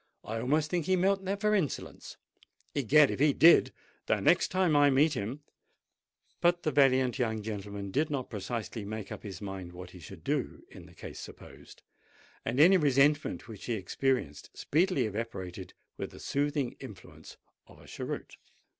I almost think he meant that for insolence. Egad! if he did, the next time I meet him——" But the valiant young gentleman did not precisely make up his mind what he should do, in the case supposed: and any resentment which he experienced, speedily evaporated with the soothing influence of a cheroot.